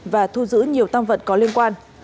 và thu giữ nhiều tam vật có liên quan